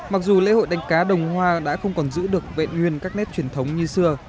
mặc dù lễ hội đánh cá đồng hoa đã không còn giữ được vẹn nguyên các nét truyền thống như xưa